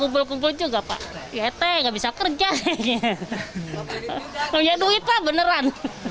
banyak duit pak beneran